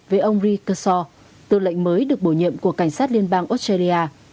với ông rikersor tư lệnh mới được bổ nhiệm của cảnh sát liên bang australia